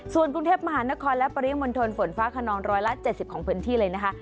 ส่วนกรุงเทพมหานครและปริมณฑลฝนฟ้าขนองร้อยละ๗๐ของพื้นที่เลยนะคะ